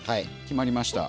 決まりました。